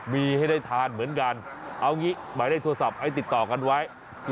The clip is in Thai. มีให้ได้ทานเหมือนกันเอางี้หมายเลขโทรศัพท์ให้ติดต่อกันไว้